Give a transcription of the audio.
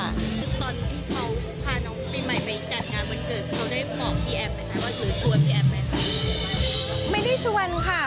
ตอนที่เขาพาน้องปีใหม่ไปจัดงานวันเกิดเขาได้ขอบพี่แอฟไหมคะหรือชวนพี่แอฟไหม